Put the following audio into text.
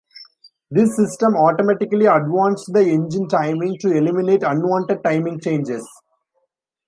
This system automatically advanced the engine timing to eliminate unwanted timing changes.